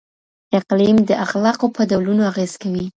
اقليم د اخلاقو په ډولونو اغېز کوي.